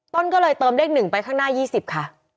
ต้นก็เลยเติมเลข๑ไปข้างหน้า๒๐ค่ะ